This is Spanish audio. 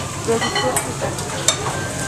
Productora de carne.